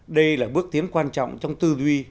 đây là bước tiến quan trọng trong tư duy